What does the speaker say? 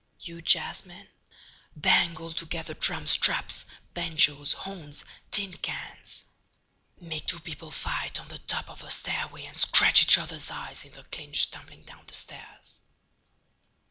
you jazzmen, bang altogether drums, traps, banjoes, horns, tin cans—make two people fight on the top of a stairway and scratch each other's eyes in a clinch tumbling down the stairs.